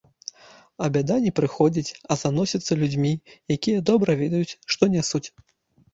А бяда не прыходзіць, а заносіцца людзьмі, якія добра ведаюць, што нясуць.